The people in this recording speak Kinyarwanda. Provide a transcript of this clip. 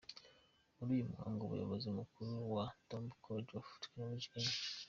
Muri uyu muhango umuyobozi mukuru wa Tumba College of Technology, Eng.